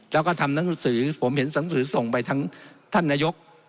แล้วก็ทำหนังสือผมเห็นหนังสือส่งไปทั้งท่านนายก